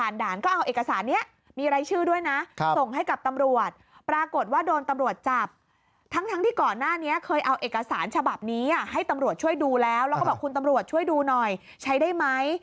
แล้วก็บอกคุณตำรวจช่วยดูหน่อยใช้ได้ไหม